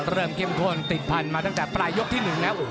เข้มข้นติดพันธุ์มาตั้งแต่ปลายยกที่๑แล้ว